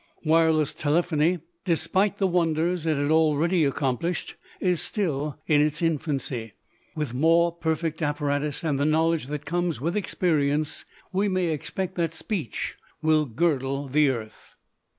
Wireless telephony, despite the wonders it has already accomplished, is still in its infancy. With more perfect apparatus and the knowledge that comes with experience we may expect that speech will girdle the earth.